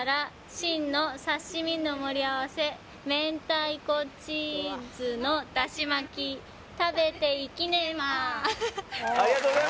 「芯の刺身の盛り合わせ」「明太子チーズのだしまき」「食べていきねま！」